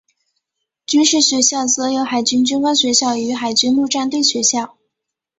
军事学校则有海军军官学校与海军陆战队学校。